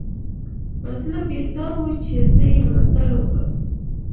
مطلب یې دا و چې زه یې ملاتړ وکړم.